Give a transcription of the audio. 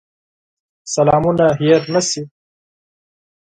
سلامونه هېر نه شي.